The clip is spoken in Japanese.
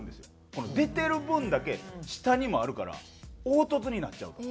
これ出てる分だけ下にもあるから凹凸になっちゃうと。